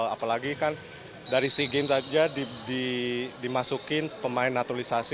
apalagi kan dari si game saja dimasukin pemain naturalisasi